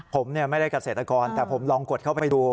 ผมไม่ได้เกษตรกรแต่ผมลองกดเข้าไปดู